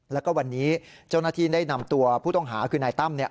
แล้วก็วันนี้เจ้าหน้าที่ได้นำตัวผู้ต้องหาคือนายตั้มเนี่ย